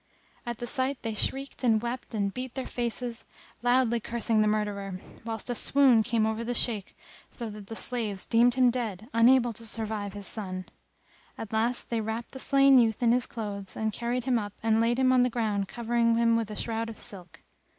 At the sight they shrieked and wept and beat their faces, loudly cursing the murderer; whilst a swoon came over the Shaykh so that the slaves deemed him dead, unable to survive his son. At last they wrapped the slain youth in his clothes and carried him up and laid him on the ground covering him with a shroud of silk.